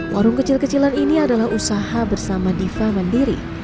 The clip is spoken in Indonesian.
warung kecil kecilan ini adalah usaha bersama diva mandiri